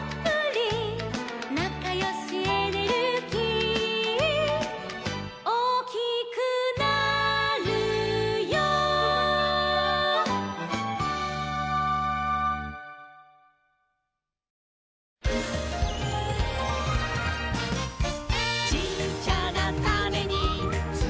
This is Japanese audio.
「なかよしエネルギー」「おおきくなるよ」「ちっちゃなタネにつまってるんだ」